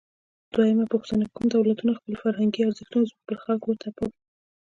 دویمه پوښتنه: کومو دولتونو خپل فرهنګي ارزښتونه زموږ پر خلکو وتپل؟